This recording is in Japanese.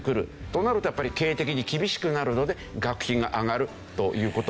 となるとやっぱり経営的に厳しくなるので学費が上がるという事もあったり。